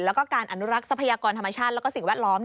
แล้วก็การอนุรักษ์ทรัพยากรธรรมชาติและสิ่งแวดล้อม